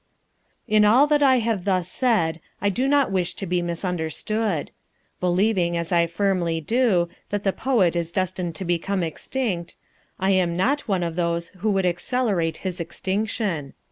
In all that I have thus said I do not wish to be misunderstood. Believing, as I firmly do, that the poet is destined to become extinct, I am not one of those who would accelerate his extinction.